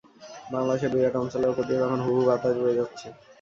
বাংলাদেশের বিরাট অঞ্চলের ওপর দিয়ে তখন হু হু বাতাস বয়ে যাচ্ছে।